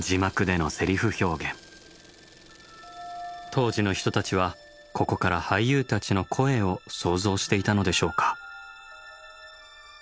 当時の人たちはここから俳優たちの声を想像していたのでしょうか。